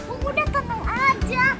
oh udah tenang aja